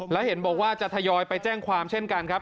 แล้วเห็นบอกว่าจะทยอยไปแจ้งความเช่นกันครับ